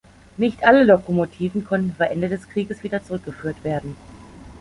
Nicht alle Lokomotiven konnten vor Ende des Krieges wieder zurückgeführt werden.